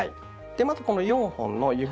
まずこの４本の指先